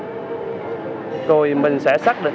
cho mình luôn